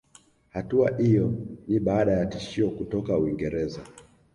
Hatua iyo ni baada ya tishio kutoka Uingereza